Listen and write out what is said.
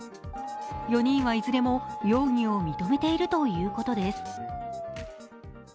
４人はいずれも容疑を認めているということです。